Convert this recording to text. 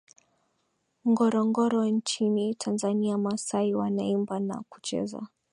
Ngorongoro nchini Tanzania Maasai wanaimba na kucheza